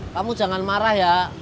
kamu jangan marah ya